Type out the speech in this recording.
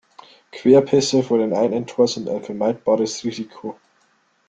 Querpässe vor dem eigenen Tor sind ein vermeidbares Risiko.